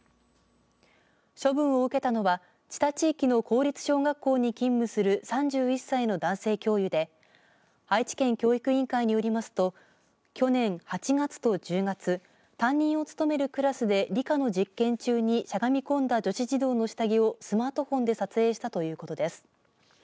処分を受けたのは知多地域の公立小学校に勤務する３１歳の男性教諭で愛知県教育委員会によりますと去年８月と１０月担任を務めるクラスで理科の実験中にしゃがみ込んだ女子児童の下着をスマートフォンで撮影したということです。